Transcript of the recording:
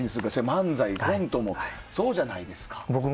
漫才、コントもそうじゃないですか。